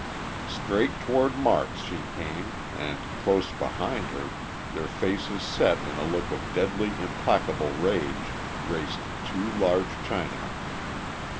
Straight toward Marks she came and, close behind her their faces set in a look of deadly implacable rage raced two large Chinamen.